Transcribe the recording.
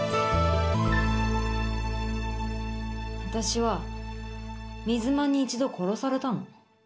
私は水間に１度殺されたの。